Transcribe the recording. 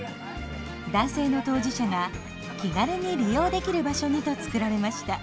男性の当事者が気軽に利用できる場所にと作られました。